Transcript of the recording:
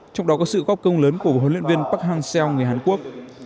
trong đó có sự góp công lớn của huấn luyện viên park hang seo người hàn quốc